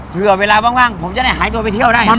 เผื่อเวลาว่างผมจะได้หายตัวไปเที่ยวได้นะ